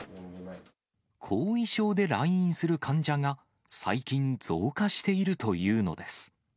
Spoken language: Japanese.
後遺症で来院する患者が最近、増加しているというのです。